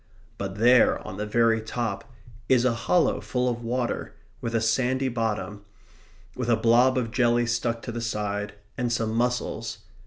But there, on the very top, is a hollow full of water, with a sandy bottom; with a blob of jelly stuck to the side, and some mussels.